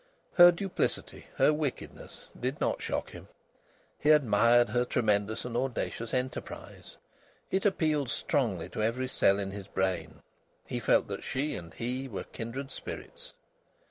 Her duplicity, her wickedness, did not shock him. He admired her tremendous and audacious enterprise; it appealed strongly to every cell in his brain. He felt that she and he were kindred spirits.